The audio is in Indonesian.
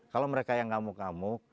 kalau mereka yang ngamuk ngamuk